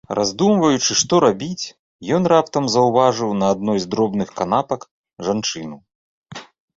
Раздумваючы, што рабіць, ён раптам заўважыў на адной з дробных канапак жанчыну.